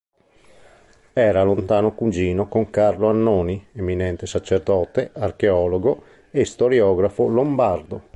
Era lontano cugino con Carlo Annoni, eminente sacerdote, archeologo e storiografo lombardo.